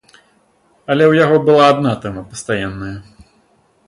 Але ў яго была адна тэма пастаянная.